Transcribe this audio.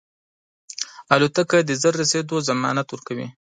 الوتکه د ژر رسېدو ضمانت ورکوي.